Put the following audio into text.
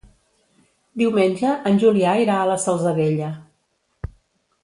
Diumenge en Julià irà a la Salzadella.